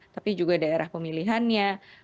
tapi juga daerah pemilihannya